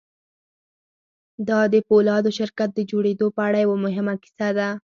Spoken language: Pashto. دا د پولادو شرکت د جوړېدو په اړه یوه مهمه کیسه ده